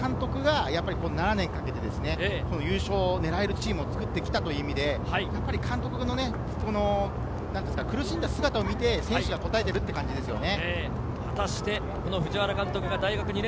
そのどん底を見た藤原監督が７年かけて優勝を狙えるチームを作ってきたという意味で、監督の苦しんだ姿を見て、選手が答えているっていう感じですよね。